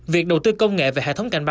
việc đầu tư công nghệ về hệ thống cảnh báo